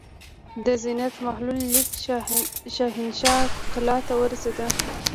د زینت محل لیک شاهنشاه کلا ته ورسېد.